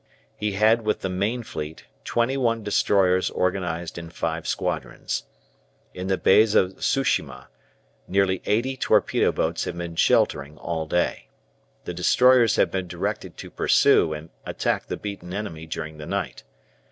He had with the main fleet twenty one destroyers organized in five squadrons. In the bays of Tsu shima nearly eighty torpedo boats had been sheltering all day. The destroyers had been directed to pursue and attack the beaten enemy during the night.